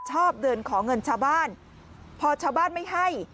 ชอบเดินขอเงินชาวบ้านพอชาวบ้านไม่ให้